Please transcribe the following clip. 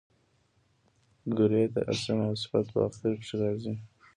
ګری د اسم او صفت په آخر کښي راځي.